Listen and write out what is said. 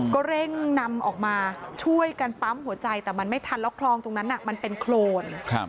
ก็เร่งนำออกมาช่วยกันปั๊มหัวใจแต่มันไม่ทันแล้วคลองตรงนั้นมันเป็นโครน